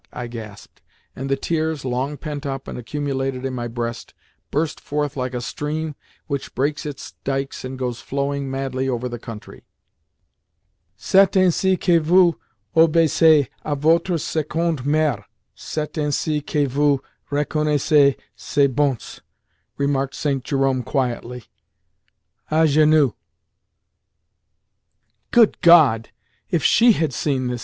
I gasped, and the tears, long pent up and accumulated in my breast, burst forth like a stream which breaks its dikes and goes flowing madly over the country. "C'est ainsi que vous obéissez à votre seconde mère, c'est ainsi que vous reconnaissez ses bontés!" remarked St. Jerome quietly, "A genoux!" "Good God! If she had seen this!"